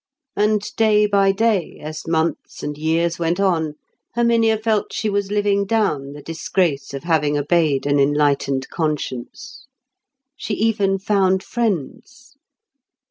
And day by day, as months and years went on, Herminia felt she was living down the disgrace of having obeyed an enlightened conscience. She even found friends.